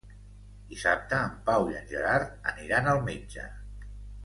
Dissabte en Pau i en Gerard aniran al metge.